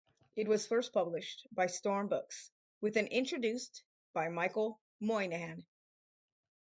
It was first published by Storm Books with an introduced by Michael Moynihan.